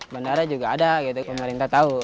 bandara juga ada gitu pemerintah tahu